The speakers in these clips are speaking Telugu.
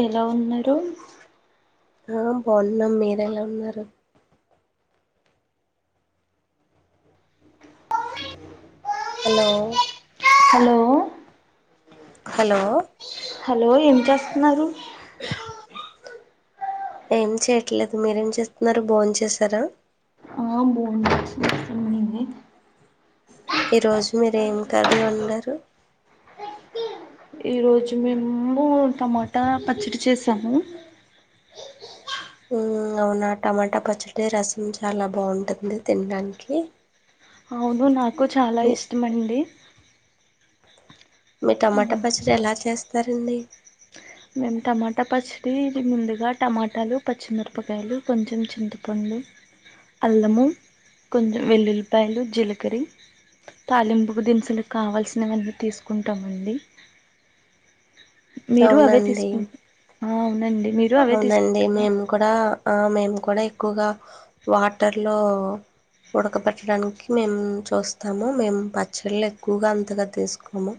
ఎలా ఉన్నరు ఆ బాగున్నాం మీరేలా ఉన్నరు హలో హలో హలో హలో ఏం చేస్తున్నారు ఏం చేయ్యట్లేదు మీరేం చేస్తున్నారు బా చేసారా ఆ బోన్మ ఈరోజు మీరు ఏం కర్రీ వండారు ఈ రోజు మేము టమాటా పచ్చడి చేసాము అవునా టమాటా పచ్చడి రసం చాలా బాగుంటుంది తినడానికి అవును నాకు చాలా మీ ఇష్టమండి మీ టమాటా పచ్చడి ఎలా చేస్ సరే అండి మేము టమాటా పచ్చడి ఇది ముందుగా టమాటాలు పచ్చిమిరపకాయలు కొంచెం చింతపండు అల్లము కొంచెం వెల్లుల్లిపాయలు జిల్కరి తాలింపుకు దినుసులు కావాల్సినవన్నీ తీసుకుంటామండి మీరు అవే అవునండి తీసుకో ఆ అవునండి మేము కూడా ఆ మేము కూడా ఎక్కువగా వాటర్లో ఉడకబెట్టడానికి మేము చూస్తాము మేము పచ్చళ్ళు ఎక్కువగా అంతగా తీసుకోము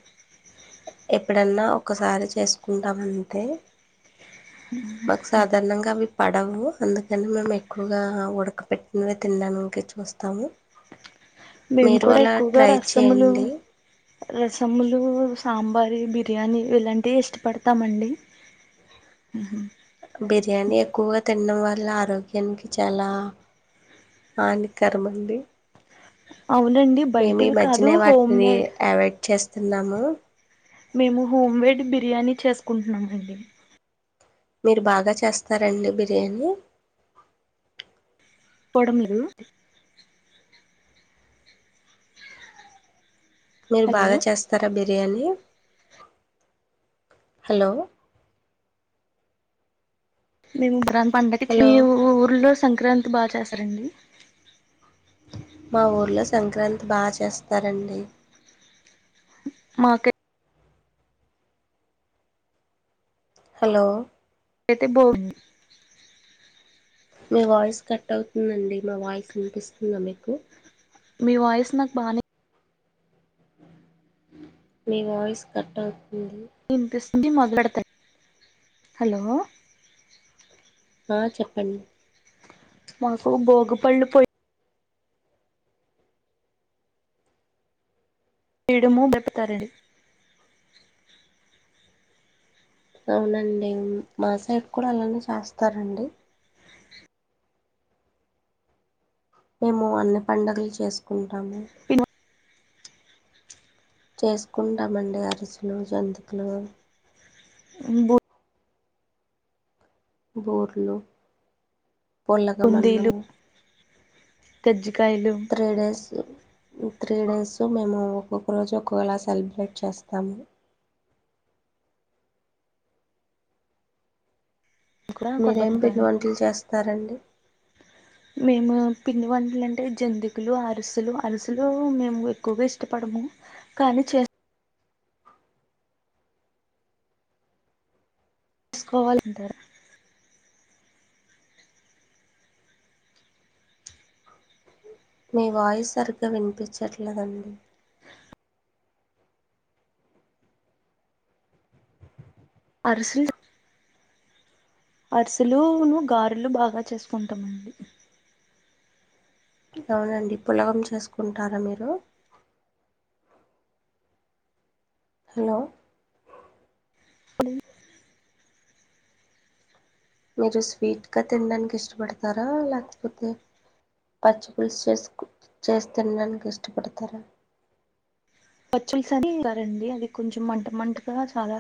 ఎప్పుడన్నా ఒకసారి చేసుకుంటామంతే మాకు సాధారణంగా అవి పడవు అందుకని మేము ఎక్కువగా ఉడకపెట్టినవి తినడానికి చూస్తాము మేము మీరు కూడా అలా ఎక్కువగా ట్రై రసములు చేయండి రసములు సాంబారి బిర్యానీ ఇలాంటియి ఇష్టపడతామండి బిర్యానీ ఎక్కువగా తి తినడం వల్ల ఆరోగ్యానికి చాలా హానికరం అండి అవునండి మేము ఈ బయటివి కాదు హోమ్ మేడ్ స్తున్నాము మేము హోమ్ మేడ్ బిర్యానీ చేసుకుంటున్నామండి మీరు బాగా చేస్తారండి బిర్యానీ పొడిమలు మీరు హలో బాగా చేస్తారా మీరు దేన్ని హలో మేము ఇప్పుడు అంత పండగ చి హలో ఊర్లోస్ సంక్రాంతి బాగా చేస్తారండి మా ఊర్లో సంక్రాంతి బాగా చేస్తారండి మాక హలో అదతే బౌడి మీ వాయిస్ కట్ అవుతుందండి నా వాయిస్ విన్పిస్తుందా మీకు పు మీవాయిస్ నాకు బానే మీ వాయిస్ కట్టవు ఏంటిది ఇది మొదలు పెడతా హలో ఆ చెప్పండి మాకు భోగి పళ్ళు పోయి వీడము మేపుతారండి అవునండి మా సైడ్ కూడా అలానే చేస్తారండి మేము అన్ని పండగలు చేసుకుం రాము చేసుకుంటామండి అరిసలు జంతికలు బో బూర్లు పులగం అన్నము కజ త్రిడేస్ త్రీ డేస్ మేము ఒక్కొక్క రోజు ఒక్కోలా సెలబ్రేట్ చేస్తాము కూడా మీరేం పిండి కొబ్బరికాయలు వంటలు చేస్తారండి మేము పిండి వంటలు అంటే జంతికులు అరిసలు అరుసలు మేము ఎక్కువగా ఇష్టపడము కానీ చేస్త తీసుకోవాలందరు మీ వాయిస్ సరిగ్గా వినిపించట్లేదండి అరుసెలు అరిసెలు గారేలు బాగా చేసుకుంటామండి అవునండి పులగం చేసుకుంటారా మీరు హలో ఆ మీరు స్వీట్గా తినడానికి ఇష్టపడతారా లేకపోతే పచ్చి పలుసు చేసు చేసి తినడానికి ఇష్టపడతారా పచ్చల్స్ అని చేస్తారండి అది కొంచెం మంట మంటగా చాలా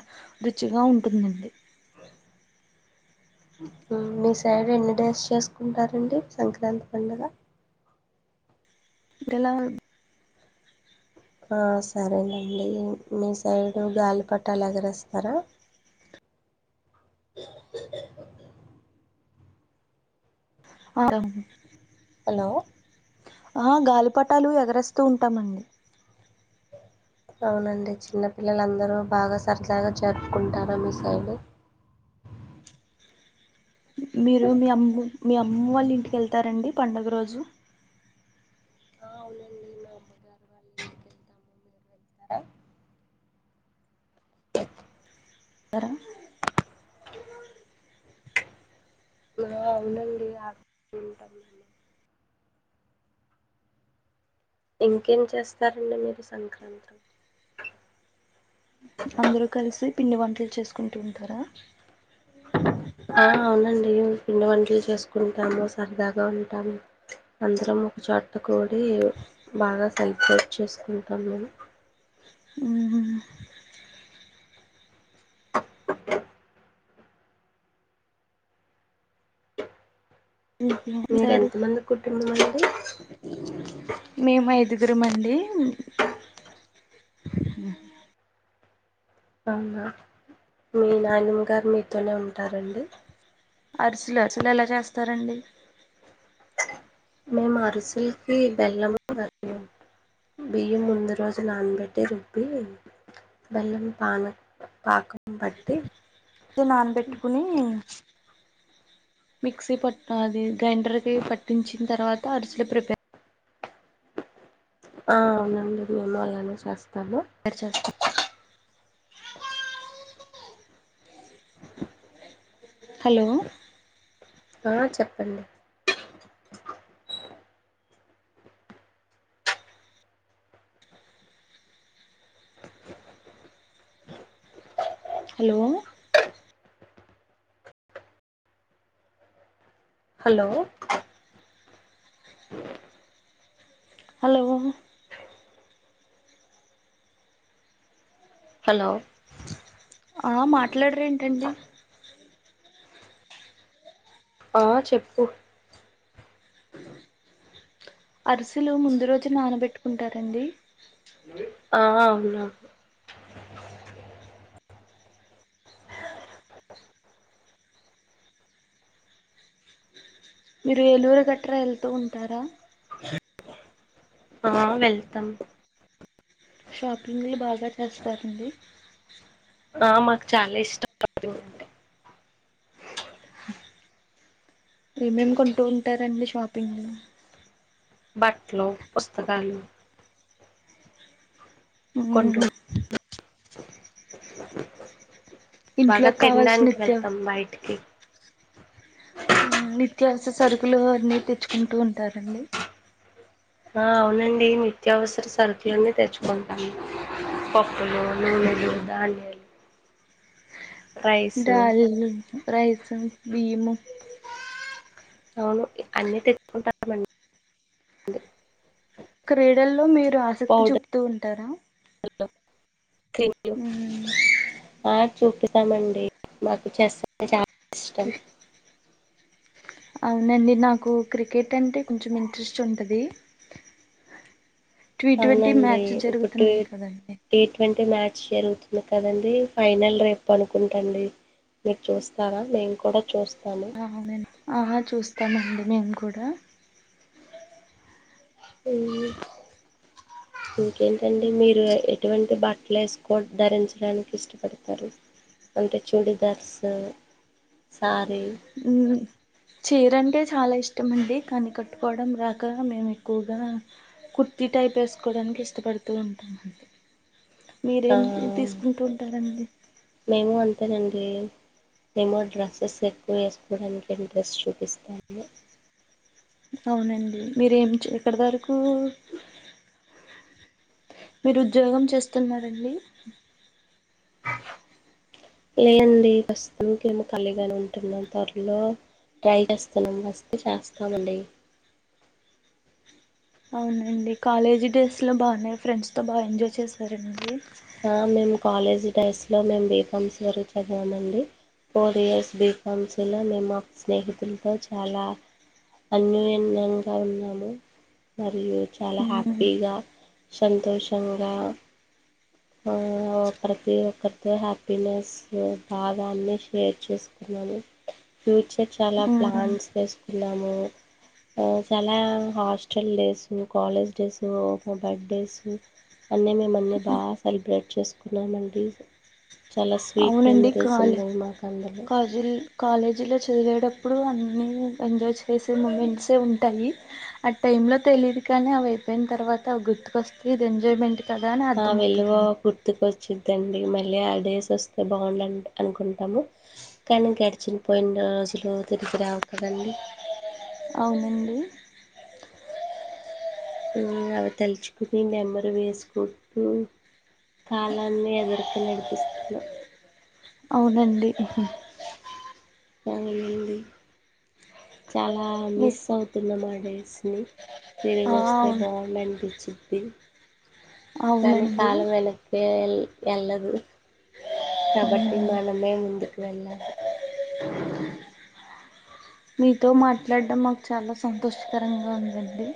రుచిగా ఉంటుందండి మీ సైడ్ ఎన్ని డేస్ చేసుకుంటారండి సంక్రాంతి పండగ. ఎలావ సరేనండి మీ సైడు గాలిపటాలు ఎగర వేస్తారా అవును హలో ఆ గాలిపటాలు ఎగరేస్తూ ఉంటామండి అవునండి చిన్నపిల్లలుందరూ బాగా సరదాగా జరుపుకుంటారు మిసైడు మీరు మీ అమ్మమ్మ వాళ్ళు ఇంటికి వెళ్తారండి పండుగ రోజు ఆ అవునండి మా అమ్మగారు వాళ్ళకి వెళ్తాము మీరు వెళ్తారా కరా ఆ అవునండి ఆ ఉంటాం మ ఇంకేం చేస్తారండి మీరు సంక్రాంతి అందరుూ కలిసి పిండి వంటలు చేస్కూంటూ ఉంటారా ఆ అవునండి పిండి వంటలు చేసుకుంటాము సరదాగా ఉంటాము అందరం ఒక చోట కూడి బాగా సెలబ్రేట్ చేసుకుంటాము మేము ఉహు ఉ ఇంకే మీ మీర సైడు ఎంత మంది కుటుంబం అండి మేము ఐదుగురం అండి అవునా మీ నాయనమ్మ గారు మీతోనే ఉంట ఉంటారండి అరుసులు అరుసలు ఎలా చేస్తారండి మేము అరుసలకి బెల్లం బియ్యం ముందు రోజు నానబెట్టి రుబ్బి బెల్లం పాన పాకం బట్టి అే నానబెట్టుకుని మిక్సీ పట్ అది గ్రైండర్కి పట్టించిన తర్వాత అరిసలు ప్రిపేర్ ఆ అవునంది అమ్మాగాను చేస్తాను తయారు చేస్తా హలో ఆ చెప్పండి హలో హలో అలుే హలో ఆ మాట్లాడరు ఏంటండి ఆ చెప్పు అరుసులు ముందు రోజు నానబెట్టుకుంటారండి ఆ అవునువు మీరు ఏలూరు గట్రా వెళ్తూ ఉంటారా ఆ వెల్తమ్ షాపింగ్ ని బాగా చేస్తారండి ఆ మాకు చాలా ఇష్టంండి ప్రేమేయం కొంటూ ఉంటారంండి షాపింగ్ లో బట్టలు పుస్తకాలు ఆ కొంటూ బాగా ఇంట్లోకి కావాల్సిన తినడానికి నిత్య వెళ్తాం బయటికి నిత్యావసర సరుకులు అన్నీ తెచ్చుకుంటూ ఉంటారండి ఆ అవునండి నిత్యావసర సరుకులోనే తెచ్చుకుంటాము పప్పులు నూనెలు ధాన్యాలు రైస్ డల్ రైసు బీము అవును అన్నీ తెచ్చుకుంటామండి క్రీడల్లో మీరు మీరు ఆసక్తి చూపుతూ ఉంటారా చె ూ మ్మ్. ఆ చూపితామండి మాకు చేస్త అవునండి నాకు క్రికెట్ అంటే కొంచెం ఇంట్రెస్ట్ ఉంటుంది అవునండి ఇప్పుడు కదండి ట్వంటీ అే మ్యాచ్ జరుగుతుంది కదండి ఫైనల్ రేపు అనుకుంటాండి మీకు చూస్తారా మేము కూడా చూస్తా అవునండి ఆ చూస్తామండి మేము కూడా హుమ్ ఇంకేంటండి మీ ఎటువంటి బట్టలు ఏసుకో ధరించడానికి ఇష్టపడతారు అంటే చూడి దార్స్ సారీ హుమ్ చీర అంటే చాలా ఇష్టమండి కాని కట్టుకోవడం రాక మేము ఎక్కువగా కుర్తి టైప్ ఏసుకోవడానికి ఇష్టపడుతూ ఉంటా ఆ మీరేం తీసుకుంటూంటరండి మేము అంతేనండి మేము డ్రెస్సెస్ ఎక్కువ ఏసుకోవడానికి ఇంట్రెస్ట్ చూపిస్తాము అవునండి మీరేమి చీర కడదారుకు మీరు ఉద్యోగం చేస్తున్నారండి లేదండి ప్రస్తుతం ఏమో ఖాళీగానే ఉంటున్నాం త్వరలో ట్రై చేస్తున్నాం వస్తే చేస్తామండి అవునండి కాలేజీ డేస్ లో బానే ఫ్రెండ్స్ తో బాగా ఎంజాయ్ చేశారండి ఆ మేము కాలేజ్ డేస్ లో మేము బీకామ్స్ వర చదివామండి ఫోర్ ఇయర్స్ బీకామ్స్ లో మేము మా స్నేహితులతో చాలా అన్యోన్యంగా ఉన్నాము మరియు చాలా మ్మ్ హ్యాపీగా సంతోషంగా ఆ ఒకరిపై ఒకరితో హ్యాపీనెస్ బాదా అన్ని షేర్ చేసుకున్నాము ఫ్యూచర్ చాలా మ్మ్ ప్లాన్స్ చేసుకున్నాము చాలా హాస్టల్ డేస్ కాలేజ్ డేస్ మా బర్త్డేస్ అన్నీ మేము అన్ని బా సెలబ్రేట్ చేసుకున్నామండి చాలా స్వీట్ అవునండి మెమోరీస్ కాలే ఉన్నయ్ మాకు అందులో కాలేజీ కాలేజీలో చదివేటప్పుడు అన్నీ ఎంజాయ్ చేసే మూమెంట్సే ఉంటాయి ఆ టైమ్ లో తెలియదు కానీ అవి అయిపోయిన తర్వాత అవి గుర్తుకొస్తే ఇది ఎంజాయ్మెంట్ కదా అని ఆ వెల్లువా అర్థమవుతుందండి గుర్తుక్ వచ్చి డి మళ్ళీ ఆ డేస్ వస్తే బాగుండ్ అనుకుంటాము కానీ గడిచనిపోయిన రోజులు తిరిగి రావు కదండి అవునండి హుమ్ అవి తలుచుకుని నెమరు వేసుకుంటూ కాలాన్ని ఎదురిక నడిపిస్తున్నాం అవునండి అవునండి చాలా మీ మిస్ అవుతున్న మాట డెస్నీ తిరిగి ఆ వస్తే అవును బవర్నమెంట్ బిచ్ ఇ కానీ అవునండి కాలం వెనక్ ఎ ఎల్ధు వెళ్ళదు కబట్టి మ్మ్. మనమే ముందుకు వెళ్ళాదు మీతో మాట్లాడడం మాకు చాలా సంతోషకరంగా ఉందండి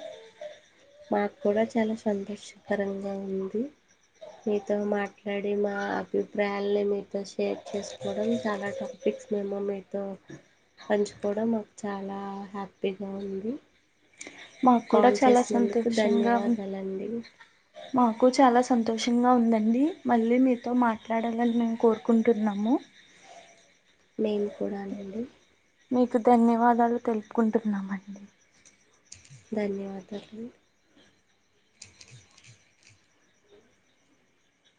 మాకు కూడా చాలా సంతోషకరంగా ఉంది మీతో మాట్లాడి మా అభిప్రాయాలని మీతో షేర్ చేసుకోవడం చాలా టాపిక్స్ మేము మీతో పంచుకోవడం మాకు చాలా హ్యాపీగా ఉంది మాకు కూడా కాల్ చాలా చేసినందుకు సంతోషంగా ధన్యవాదాలండి మాకు చాలా సంతోషంగా ఉందండి మళ్ళీ మీతో మాట్లాడాలని మేము కోరుకుంటున్నాము మేమ్ కూడా అండి మీకు ధన్యవాదాలు తెలుపుకుంటున్నామండి ధన్యవాదాలు